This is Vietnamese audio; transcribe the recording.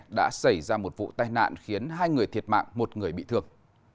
đã xảy ra một vụ tai nạn khiến hai người thiệt mạng một người bị thương